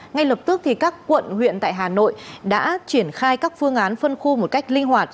ngay lập tức các quận huyện tại hà nội đã triển khai các phương án phân khu một cách linh hoạt